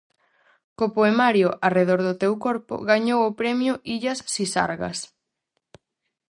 Co poemario "Arredor do teu corpo" gañou o Premio Illas Sisargas.